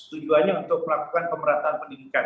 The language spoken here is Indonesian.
tujuannya untuk melakukan pemerataan pendidikan